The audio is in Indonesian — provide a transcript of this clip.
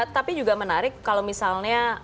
tapi juga menarik kalau misalnya